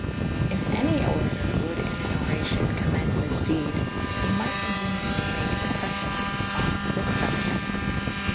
If any oratour wolde in an oracyon commende this dede / he myght conueniently make the preface on this fal'hyon.'